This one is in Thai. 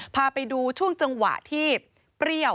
พาไปดูช่วงจังหวะที่เปรี้ยว